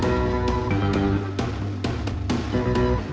ไอ้ทุกวันต้องการอะไร